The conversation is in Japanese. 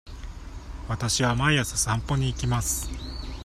わたしは毎朝散歩に行きます。